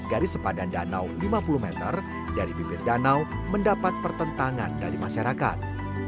garis sepadan danau lima puluh meter dari bibir danau mendapat pertentangan dari masyarakat